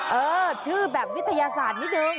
เออชื่อแบบวิทยาศาสตร์นิดนึง